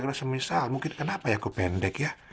misalnya mungkin kenapa aku pendek ya